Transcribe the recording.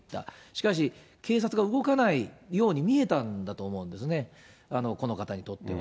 しかし、警察が動かないように見えたんだと思うんですね、この方にとっては。